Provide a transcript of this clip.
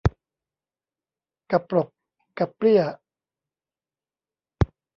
กะปลกกะเปลี้ย